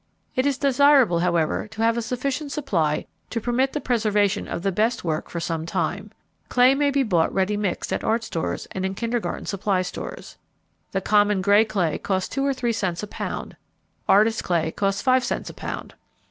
It is desirable, however, to have a sufficient supply to permit the preservation of the best work for some time. Clay may be bought ready mixed at art stores and in kindergarten supply stores. The common gray clay costs two or three cents a pound. Artists' clay costs five cents a pound.